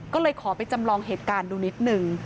ก็เลยขอไปจำลองเหตุการณ์ดูนิดนึง